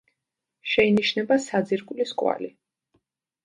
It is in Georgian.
შეინიშნება საძირკვლის კვალი.